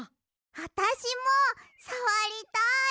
あたしもさわりたい！